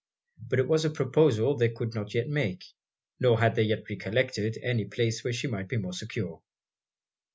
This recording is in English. But it was a proposal they could not yet make nor had they yet recollected any place where she might be more secure.